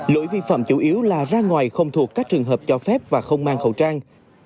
lỗi vi phạm chủ yếu là ra ngoài không thuộc các trường hợp cho phép và không mang khẩu trang